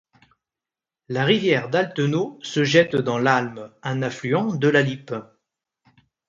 La rivière d'Altenau se jette dans l'Alme, un affluent de la Lippe.